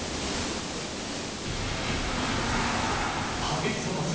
激しさます